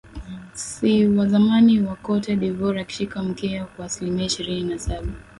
s wa zamani wa cote deivoire akishika mkia kwa aslimia ishirini na saba